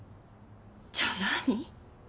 じゃあ何？